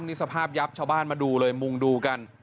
นี่สภาพยับชาวบ้านมาดูเลยมุงดูกัน